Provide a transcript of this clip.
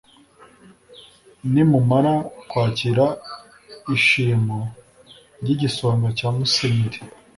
nimumara kwakira ishimo ry’igisonga cya musenyeri